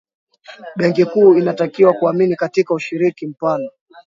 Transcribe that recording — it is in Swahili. benki kuu inatakiwa kuamini katika ushiriki mpana